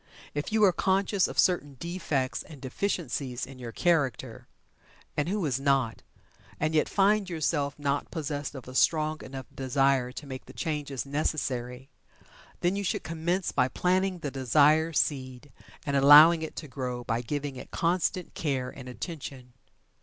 If you are conscious of certain defects and deficiencies in your character (and who is not?) and yet find yourself not possessed of a strong enough desire to make the changes necessary, then you should commence by planting the desire seed and allowing it to grow by giving it constant care and attention.